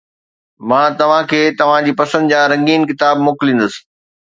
مان توهان کي توهان جي پسند جا رنگين ڪتاب موڪليندس